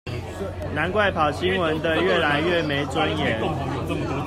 難怪跑新聞的越來越沒尊嚴